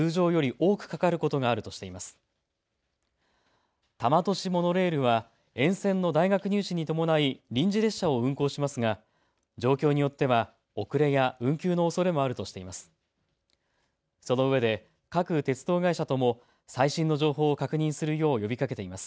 多摩都市モノレールは沿線の大学入試に伴い臨時列車を運行しますが状況によっては遅れや運休のおそれもあるとしています。